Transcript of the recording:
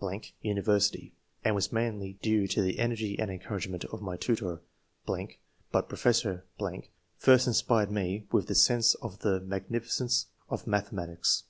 [universit)^], and was mainly due to the energy and encouragement of my tutor ....; but Professor .... first inspired me with the sense of the magnificence of mathematics."